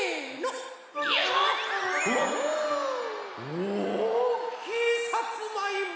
おおきいさつまいも！